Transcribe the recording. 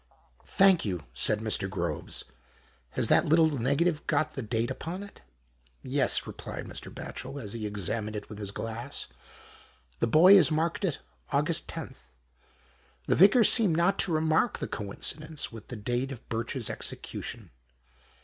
i " Thank you," said Mr. Groves. " Has th|: at little negative got the date upon it?" Yels, replied Mr. Batchel, as he examined it with hits glass. The boy has marked it August 10. Tme Vicar seemed not to remark the coincidenfoe with the date of Birch's execution.